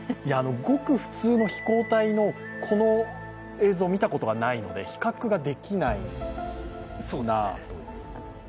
ごく普通の飛行体のこの映像を見たことがないので比較ができないなという。